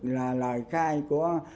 là lời khai của